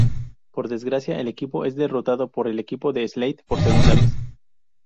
Por desgracia, el equipo es derrotado por el equipo de Slade por segunda vez.